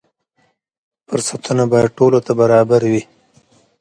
فرصتونه باید ټولو ته برابر وي.